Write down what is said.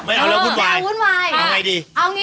ไม่เอาเรามุ่นวายเอางี้